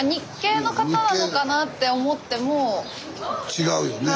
違うよね。